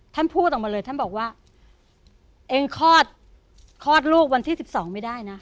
ท่านพูดออกมาเลยท่านบอกว่าเองคลอดคลอดลูกวันที่๑๒ไม่ได้นะ